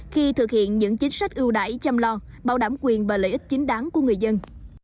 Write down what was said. khi thực hiện những chính sách ưu đải chăm lo bảo đảm quyền và lợi ích chính đáng của người dân